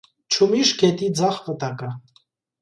Չումիշ գետի ձախ վտակը։